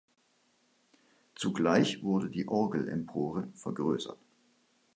Zugleich wurde die Orgelempore vergrössert.